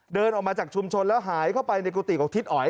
เดินออกมาจากชุมชนแล้วหายเข้าไปในกุฏิของทิศอ๋อย